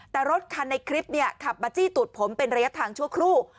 แต่รถคันในคลิปเนี่ยขับมาจี้ตูดผมเป็นระยะทางชั่วครู่